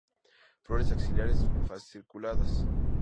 Flores axilares, fasciculadas.